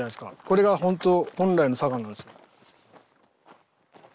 これが本当本来の砂岩なんです。